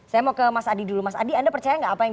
saya mau ke mas adi dulu mas adi anda percaya nggak apa yang